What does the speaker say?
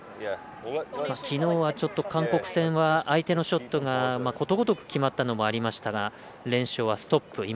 きのうはちょっと韓国戦は相手のショットがことごとく決まったのもありましたが連勝はストップ。